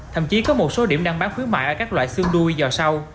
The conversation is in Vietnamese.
thậm chí có một số điểm đang bán khuyến mại ở các loại xương đuôi giờ sau